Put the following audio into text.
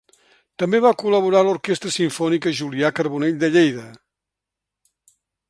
També va col·laborar l'Orquestra Simfònica Julià Carbonell de Lleida.